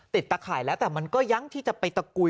ตะข่ายแล้วแต่มันก็ยังที่จะไปตะกุย